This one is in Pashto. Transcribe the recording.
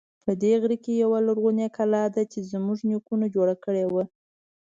په دې غره کې یوه لرغونی کلا ده چې زمونږ نیکونو جوړه کړی و